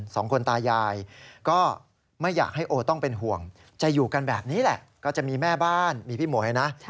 สองคนตายายก็ไม่อยากให้โอต้องเป็นห่วงจะอยู่กันแบบนี้แหละก็จะมีแม่บ้านมีพี่หมวยนะ